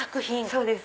そうです。